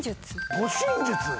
護身術？